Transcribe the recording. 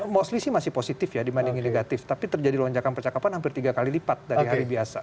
mostly sih masih positif ya dibandingin negatif tapi terjadi lonjakan percakapan hampir tiga kali lipat dari hari biasa